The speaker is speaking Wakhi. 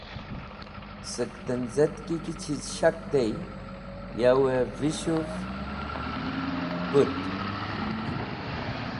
Sẽk tenz̃etki ki chiz shak tey yavẽ vishuv/ but